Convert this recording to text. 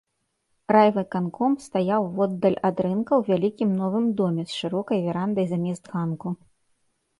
Райвыканком стаяў воддаль ад рынка ў вялікім новым доме з шырокай верандай замест ганку.